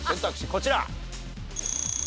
こちら。